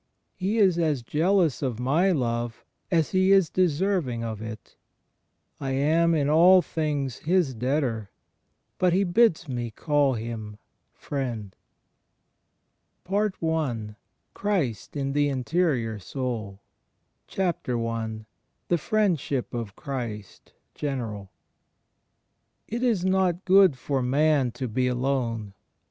He is as jealous of my love as He is deserving of it. I am in all things His debtor, but He bids me caU Him Friend. ^ From an old manuscript. PART I CHRIST IN THE INTERIOR SOUL THE FRIENDSHIP OF CHRIST (general) It is not good for man to be alone.